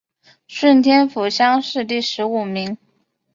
顺天府乡试第十五名。